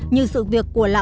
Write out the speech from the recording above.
như sự việc của lão